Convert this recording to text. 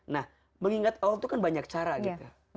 nah mengingat allah itu kan banyak cara gitu